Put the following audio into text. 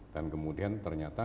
dan kemudian ternyata